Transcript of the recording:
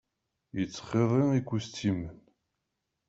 Yettxiḍi ikustimen.